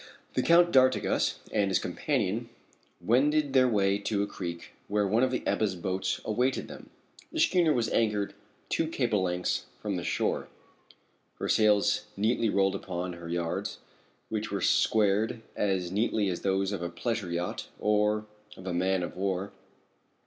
The Count d'Artigas and his companion wended their way to a creek where one of the Ebba's boats awaited them. The schooner was anchored two cable lengths from the shore, her sails neatly rolled upon her yards, which were squared as neatly as those of a pleasure yacht or of a man of war.